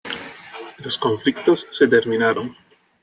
Los conflictos se terminaron.